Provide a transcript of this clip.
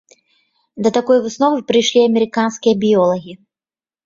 Да такой высновы прыйшлі амерыканскія біёлагі.